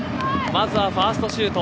まずはファーストシュート。